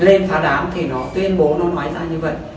lên phá đám thì nó tuyên bố nó nói ra như vậy